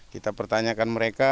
kita pertanyakan mereka